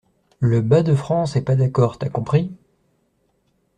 Le-Bas-de-France est pas d’accord, t’as compris?